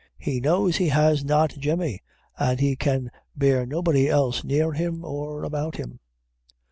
He knows he has not Jemmy, and he can bear nobody else near him or about him."